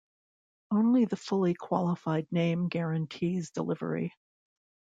Only the fully qualified name guarantees delivery.